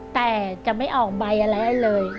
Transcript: แต่จะไม่ออกใบอะไรเลย